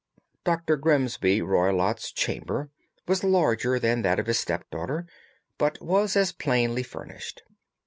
Dr. Grimesby Roylott's chamber was larger than that of his step daughter, but was as plainly furnished.